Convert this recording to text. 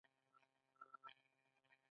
په ژمي کي هوا یخه وي، نو باید ګرم کالي واغوندو.